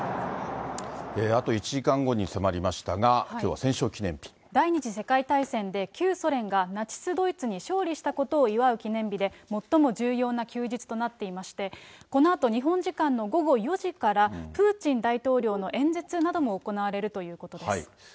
あと１時間後に迫りましたが、第２次世界大戦で、旧ソ連がナチス・ドイツに勝利したことを祝う記念日で、最も重要な休日となっていまして、このあと日本時間の午後４時から、プーチン大統領の演説なども行われるということです。